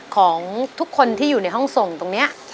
ของทุกคนที่อยู่ในห้องส่งตรงนี้